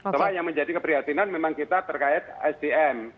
coba yang menjadi keprihatinan memang kita terkait sdm